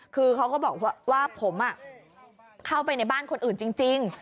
คือเขาก็บอกว่าผมเข้าไปในบ้านคนอื่นจริง